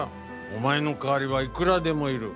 お前の代わりはいくらでもいる。